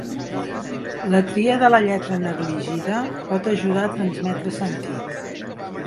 La tria de la lletra negligida pot ajudar a transmetre sentit.